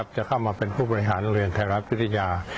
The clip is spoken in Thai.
จะเข้ามาเป็นผู้บริหารโรงเรียนไทยรัฐวิทยา